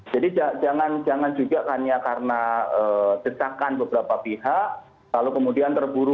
jadi jangan juga hanya karena kecakan beberapa pihak lalu kemudian terburu buru